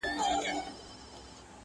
په هغه شپه مي نیمګړی ژوند تمام وای٫